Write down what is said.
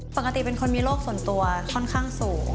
ปกติเป็นคนมีโรคส่วนตัวค่อนข้างสูง